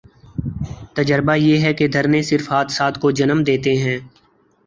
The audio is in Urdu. تجربہ یہ ہے کہ دھرنے صرف حادثات کو جنم دیتے ہیں۔